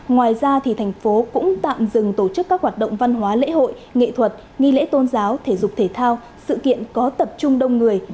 ngoài ra thành phố cũng tạm dừng tổ chức các hoạt động văn hóa lễ hội nghệ thuật nghi lễ tôn giáo thể dục thể thao sự kiện có tập trung đông người